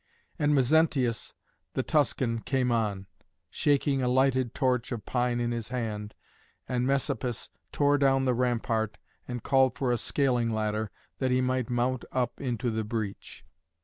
And Mezentius the Tuscan came on, shaking a lighted torch of pine in his hand, and Messapus tore down the rampart and called for a scaling ladder, that he might mount up into the breach.